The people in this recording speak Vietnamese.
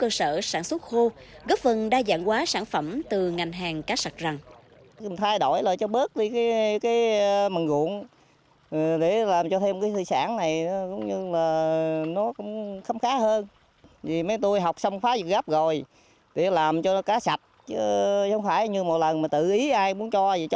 một cơ sở sản xuất khô góp phần đa dạng hóa sản phẩm từ ngành hàng cá sạc rằn